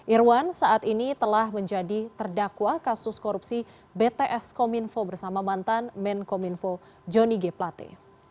irwan saat ini telah menjadi terdakwa kasus korupsi bts cominfo bersama mantan men cominfo johnny g plate